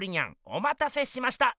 おまたせしました！